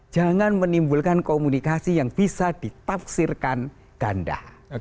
jangan menimbulkan komunikasi yang bisa ditafsirkan ganda